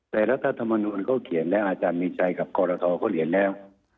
แต่รัฐธรรมนูลเขาเขียนแล้วอาจารย์มีชัยกับกรทเขาเขียนแล้ว